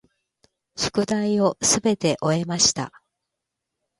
宿題をすべて終えました。